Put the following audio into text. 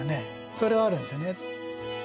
それはあるんですよね。